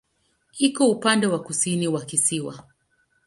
Iko upande wa kusini wa kisiwa.